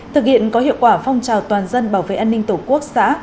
thực hiện có hiệu quả phong trào toàn dân bảo vệ an ninh tổ quốc xã